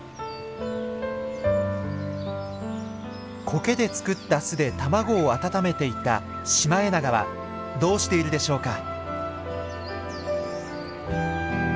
コケで作った巣で卵を温めていたシマエナガはどうしているでしょうか？